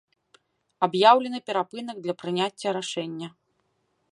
Аб'яўлены перапынак для прыняцця рашэння.